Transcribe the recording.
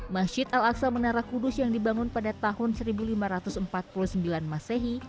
masjid al aqsa menara kudus yang dibangun pada tahun seribu lima ratus empat puluh sembilan masehi